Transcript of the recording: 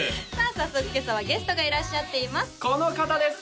早速今朝はゲストがいらっしゃっていますこの方です